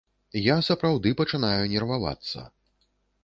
Я сапраўды пачынаю нервавацца.